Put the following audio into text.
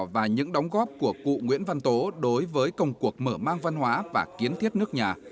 và những đóng góp của cụ nguyễn văn tố đối với công cuộc mở mang văn hóa và kiến thiết nước nhà